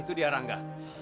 itu dia rangga